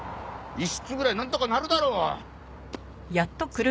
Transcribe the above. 一室ぐらいなんとかなるだろ！